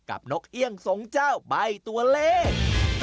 นกเอี่ยงสงเจ้าใบตัวเลข